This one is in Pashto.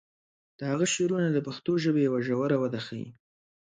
د هغه شعرونه د پښتو ژبې یوه ژوره وده ښیي.